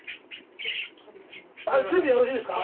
準備よろしいですか？